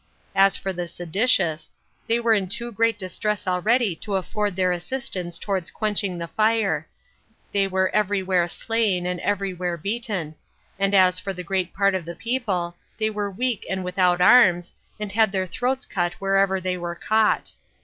As for the seditious, they were in too great distress already to afford their assistance [towards quenching the fire]; they were every where slain, and every where beaten; and as for a great part of the people, they were weak and without arms, and had their throats cut wherever they were caught.